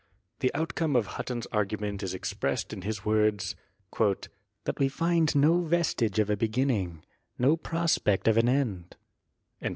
The outcome of Hutton's argument is expressed in his words "that we find no vestige of a beginning — no prospect of an end."